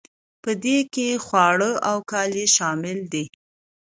په دې کې خواړه او کالي شامل دي.